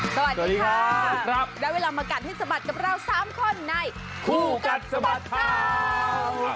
สวัสดีค่ะได้เวลามากัดให้สะบัดกับเรา๓คนในคู่กัดสะบัดข่าว